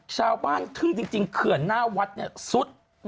ชาวบ้านที่จริงเขื่อนหน้าวัดซุด